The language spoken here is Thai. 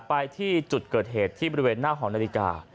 ไปที่จุดเกิดเหตุที่บริเวณหน้าหอนาฬิกา